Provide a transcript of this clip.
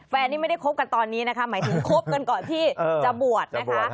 นี่ไม่ได้คบกันตอนนี้นะคะหมายถึงคบกันก่อนที่จะบวชนะคะ